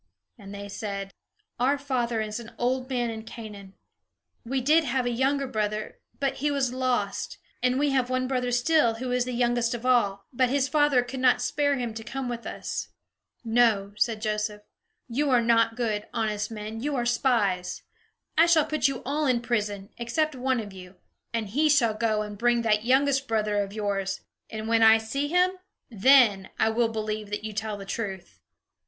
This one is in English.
And they said: "Our father is an old man in Canaan. We did have a younger brother, but he was lost; and we have one brother still, who is the youngest of all, but his father could not spare him to come with us." "No," said Joseph. "You are not good, honest men. You are spies. I shall put you all in prison, except one of you; and he shall go and bring that youngest brother of yours; and when I see him, then I will believe that you tell the truth."